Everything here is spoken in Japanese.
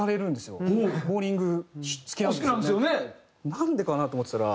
なんでかなと思ってたら。